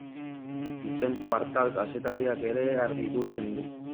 Vicent Partal kazetariak ere argi ikusten du.